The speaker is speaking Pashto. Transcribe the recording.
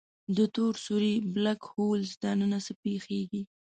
د تور سوری Black Hole دننه څه پېښېږي؟